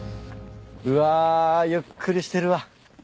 うわゆっくりしてるわ。